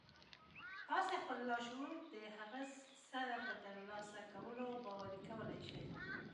تاسې خپل لاشعور د هغه څه په ترلاسه کولو باوري کولای شئ